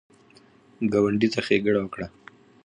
ګاونډي ته ښېګڼه وکړه